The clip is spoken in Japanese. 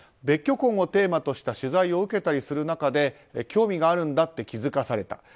別居婚をテーマとした取材を受けたりする中で興味があるんだって気づかされた。